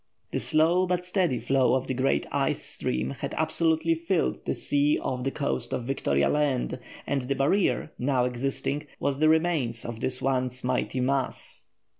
The slow but steady flow of the great ice stream had absolutely filled the sea off the coast of Victoria Land, and the barrier, now existing, was the remains of this once mighty mass.